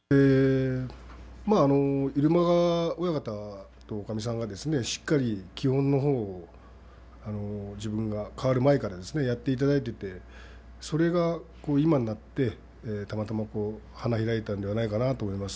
入間川親方とおかみさんがしっかり基本の方を自分が代わる前からやっていただいててそれが今になって、たまたま花開いたんではないかなと思います。